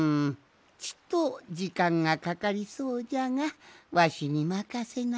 ちとじかんがかかりそうじゃがわしにまかせなさい。